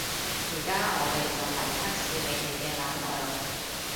而家我哋就嚟測試你哋嘅膽量